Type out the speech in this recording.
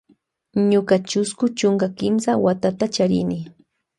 Ñuka charini chusku chunka kimsa watata.